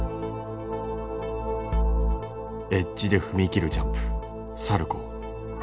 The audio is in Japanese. エッジで踏み切るジャンプサルコー。